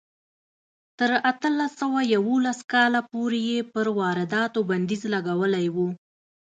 تر اتلس سوه یوولس کاله پورې یې پر وارداتو بندیز لګولی و.